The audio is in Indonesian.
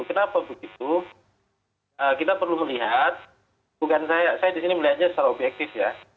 kenapa begitu kita perlu melihat bukan saya di sini melihatnya secara objektif ya